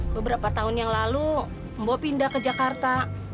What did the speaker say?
beberapa tahun yang lalu mbo pindah ke jakarta